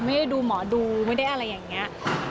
ไม่ได้ดูหมอดูไม่ได้อะไรอย่างนี้